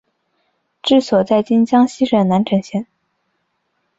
治所在今江西省南城县。